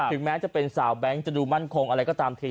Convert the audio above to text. แม้จะเป็นสาวแบงค์จะดูมั่นคงอะไรก็ตามที